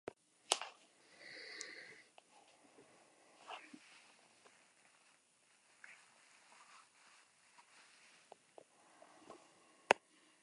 Su madre, por otra parte, es oriunda de la prefectura de Nagano.